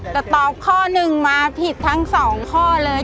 แต่ตอบข้อหนึ่งมาผิดทั้ง๒ข้อเลย